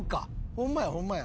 ホンマやホンマや。